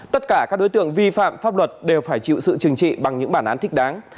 tất cả các đối tượng vi phạm pháp luật đều phải chịu sự chừng trị bằng những bản án thích đáng